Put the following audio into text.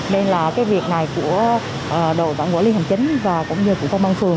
đây là cái việc này của đội văn quả liên hành chính và cũng như của công an phường